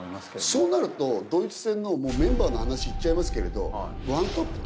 そうなるとドイツ戦のメンバーの話いっちゃいますけど。